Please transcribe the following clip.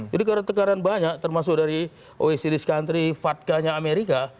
jadi karena tekaran banyak termasuk dari oecd vatk nya amerika